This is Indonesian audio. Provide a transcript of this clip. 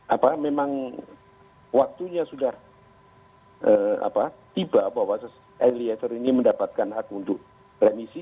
apa memang waktunya sudah tiba bahwa eliezer ini mendapatkan hak untuk remisi